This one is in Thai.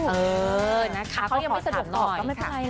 เออนะคะก็ยังไม่สะดวกหน่อย